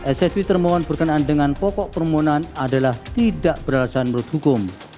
ssv termohon berkenaan dengan pokok permohonan adalah tidak beralasan menurut hukum